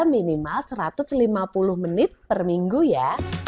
minimal satu ratus lima puluh menit per minggu ya